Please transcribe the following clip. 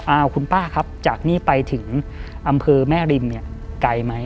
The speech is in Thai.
อ้าวคุณป้าครับจากนี้ไปถึงอำเภอแม่ริมเนี่ยไกลไหม